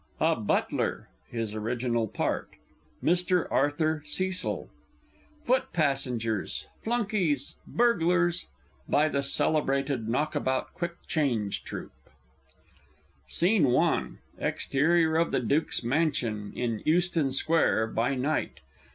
_ A Butler (his original part) Mr. ARTHUR CECIL. Foot passengers, Flunkeys, Burglars. By the celebrated Knockabout Quick change Troupe. SCENE I. Exterior of the Duke's _Mansion in Euston Square by night.